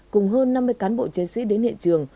cùng hơn năm mươi cán bộ chiến sĩ đến hiện trường